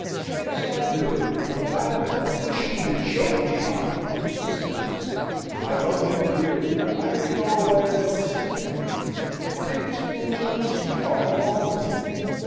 "Yes, I do; but I don't wish you to choke me, Molly," he says. "I love him dearly. I may go away and never see him again, and take his foolish little sweetheart along with me.